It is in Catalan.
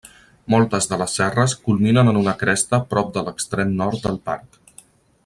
Moltes de les serres culminen en una cresta prop de l'extrem nord del parc.